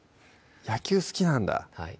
野球好きなんだ